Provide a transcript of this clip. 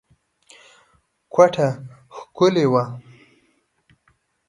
کوټه ښکلې وه.